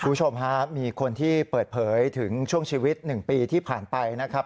คุณผู้ชมฮะมีคนที่เปิดเผยถึงช่วงชีวิต๑ปีที่ผ่านไปนะครับ